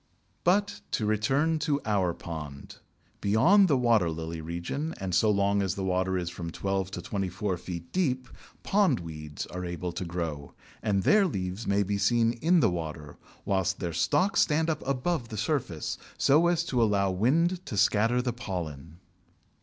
But to return to our pond. Beyond the water lily region and so long as the water is from twelve to twenty four feet deep, Pondweeds are able to grow, and their leaves may be seen in the water, whilst their stalks stand up above the surface so as to allow wind to scatter the pollen.